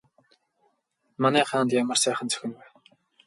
Манай хаанд ямар сайхан зохино вэ?